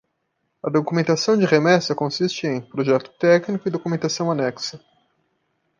A documentação de remessa consiste em: projeto técnico e documentação anexa.